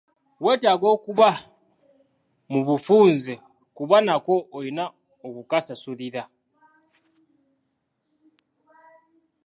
Weetaaga okuba mu bufunze kuba nako olina okukasasulira.